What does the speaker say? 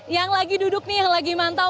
yang lagi duduk nih yang lagi mantau